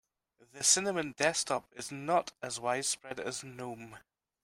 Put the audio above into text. The cinnamon desktop is not as widespread as gnome.